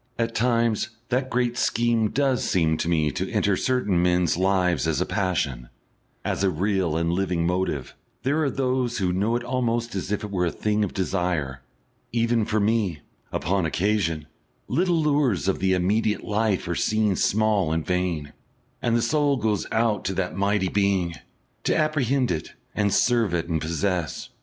At times that great scheme does seem to me to enter certain men's lives as a passion, as a real and living motive; there are those who know it almost as if it was a thing of desire; even for me, upon occasion, the little lures of the immediate life are seen small and vain, and the soul goes out to that mighty Being, to apprehend it and serve it and possess.